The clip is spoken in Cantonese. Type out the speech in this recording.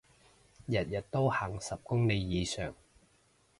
日日都行十公里以上